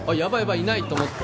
いないと思って。